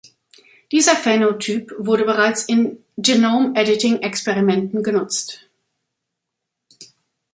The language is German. Dieser Phänotyp wurde bereits in Genome Editing Experimenten genutzt.